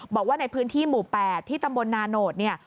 บอกว่าในพื้นที่หมู่๘ที่ตำบลนาโนธเนี่ย